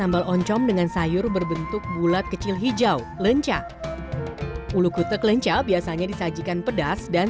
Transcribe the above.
betul betul lebih kering